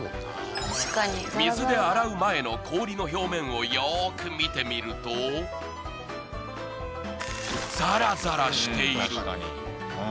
水で洗う前の氷の表面をよく見てみるとザラザラしている。